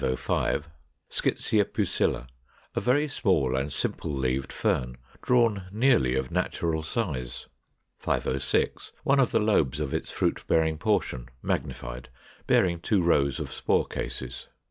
Schizæa pusilla, a very small and simple leaved Fern, drawn nearly of natural size. 506. One of the lobes of its fruit bearing portion, magnified, bearing two rows of spore cases.